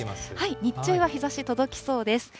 日中は日ざし、届きそうです。